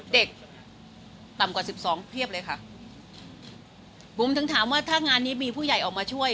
เด็กต่ำกว่าสิบสองเพียบเลยค่ะบุ๋มถึงถามว่าถ้างานนี้มีผู้ใหญ่ออกมาช่วย